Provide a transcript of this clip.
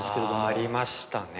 ありましたね